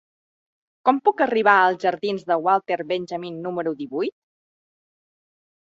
Com puc arribar als jardins de Walter Benjamin número divuit?